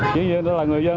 chỉ như là người dân